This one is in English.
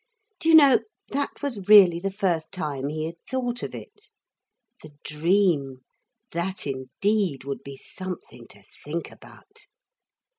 Do you know that was really the first time he had thought of it. The dream that indeed would be something to think about.